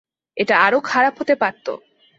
এটা আরও খারাপ হতে পারত।